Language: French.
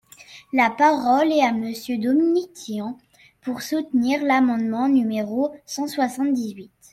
La parole est à Monsieur Dominique Tian, pour soutenir l’amendement numéro cent soixante-dix-huit.